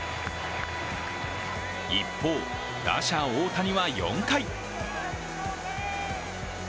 一方、打者・大谷は４回。